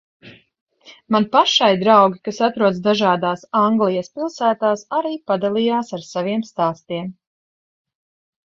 Man pašai draugi, kas atrodas dažādās Anglijas pilsētās arī padalījās ar saviem stāstiem.